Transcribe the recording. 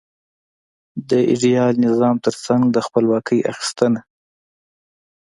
د ایډیال نظام ترڅنګ د خپلواکۍ اخیستنه.